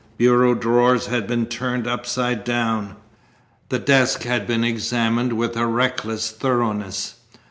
Bureau drawers had been turned upside down. The desk had been examined with a reckless thoroughness.